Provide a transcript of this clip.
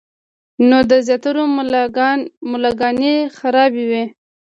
نو د زياترو ملاګانې خرابې وي -